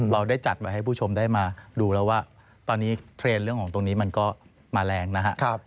เราได้จัดไว้ให้ผู้ชมได้มาดูแล้วว่าตอนนี้เทรนด์เรื่องของตรงนี้มันก็มาแรงนะครับ